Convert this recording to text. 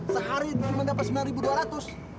sehari mendapat sembilan ribu dua ratus